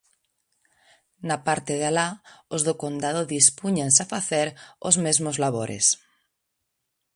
Na parte de alá, os do Condado dispúñanse a facer os mesmos labores.